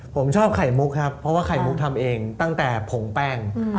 ผมชอบไข่มุกครับเพราะว่าไข่มุกทำเองตั้งแต่ผงแป้ง